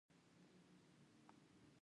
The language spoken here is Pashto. د ننګرهار په کوټ کې د سمنټو مواد شته.